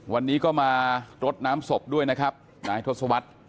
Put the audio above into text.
วันนี้ก็มารดน้ำศพด้วยนะครับนายทศวรรษ